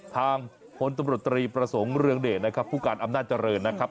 ทางพลตำรวจตรีประสงค์เรืองเดชนะครับผู้การอำนาจเจริญนะครับ